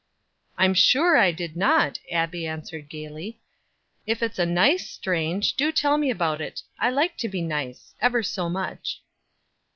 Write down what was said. "I'm sure I did not," Abbie answered gaily. "If it's a nice 'strange' do tell me about it. I like to be nice ever so much."